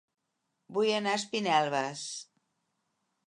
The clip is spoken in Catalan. Vull anar a Espinelves